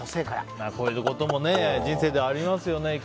こういうことも人生ではありますよね。